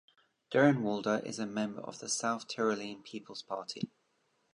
Durnwalder is a member of the South Tyrolean People's Party.